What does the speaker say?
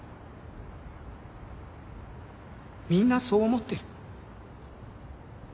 みんなそう思ってる。